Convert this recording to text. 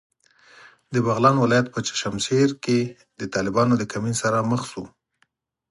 د بغلان ولایت په چشمشېر کې د طالبانو د کمین سره مخ شوو.